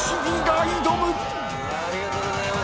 ありがとうございます。